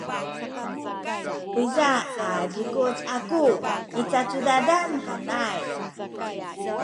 uyza a zikuc aku i cacudadan henay.